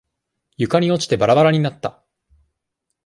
床に落ちてバラバラになった。